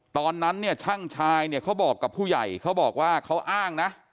ตอนนั้นช่างชายเขาบอกกับผู้ใหญ่เขาอ้างนะ